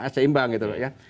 seimbang gitu loh ya